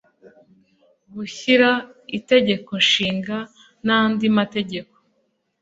Gushyiraho itegeko nshinga n andi mategeko